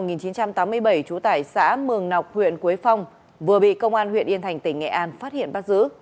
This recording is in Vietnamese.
năm một nghìn chín trăm tám mươi bảy chủ tải xã mường nọc huyện quế phong vừa bị công an huyện yên thành tỉnh nghệ an phát hiện bắt giữ